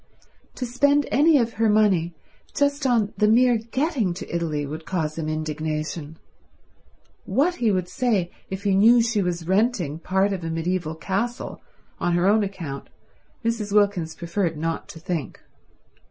To spend any of her money just on the mere getting to Italy would cause him indignation; what he would say if he knew she was renting part of a mediaeval castle on her own account Mrs. Wilkins preferred not to think.